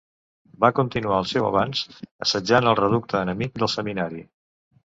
Va continuar el seu avanç, assetjant el reducte enemic del Seminari.